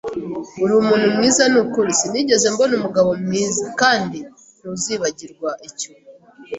Uri umuntu mwiza nukuri; Sinigeze mbona umugabo mwiza! Kandi ntuzibagirwa icyo